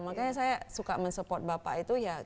makanya saya suka men support bapak itu ya